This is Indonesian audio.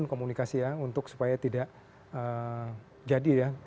untuk berkomunikasi ya untuk supaya tidak jadi ya